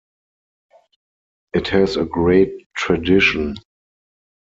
It has a great tradition.